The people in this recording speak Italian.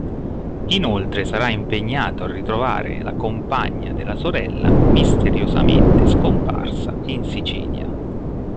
Inoltre sarà impegnato a ritrovare la compagna della sorella misteriosamente scomparsa in Sicilia.